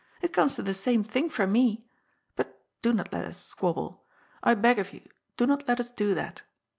It comes to the same thing for me. But do not let us squabble. I beg of you, do not let us do that.